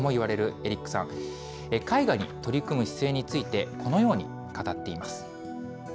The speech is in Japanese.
絵画に取り組む姿勢について、このように語っています。